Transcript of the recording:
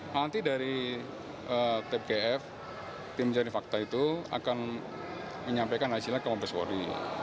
nanti dari tgf tim mencari fakta itu akan menyampaikan hasilnya ke mabes polri